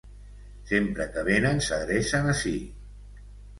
Sempre que venen s'adrecen ací.